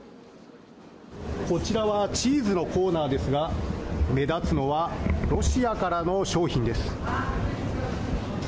こちらはチーズのコーナーですが目立つのはロシアからの商品です。